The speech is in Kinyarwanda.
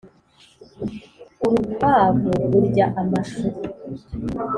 Urukwavu rurya amashu